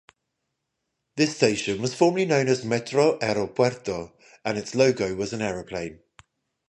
This station was formerly known as Metro Aeropuerto, and its logo was an aeroplane.